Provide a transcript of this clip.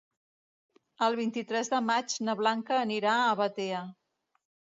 El vint-i-tres de maig na Blanca anirà a Batea.